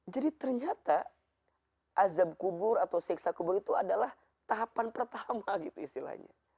jadi ternyata azab kubur atau siksa kubur itu adalah tahapan pertama gitu istilahnya